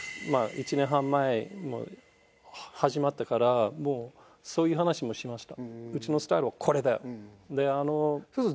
１年半前に始まってからそういう話もしました。